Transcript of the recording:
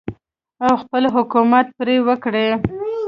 او خپل حکومت پرې وکړي.